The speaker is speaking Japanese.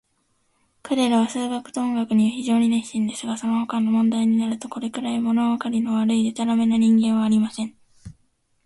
彼等は数学と音楽には非常に熱心ですが、そのほかの問題になると、これくらい、ものわかりの悪い、でたらめな人間はありません。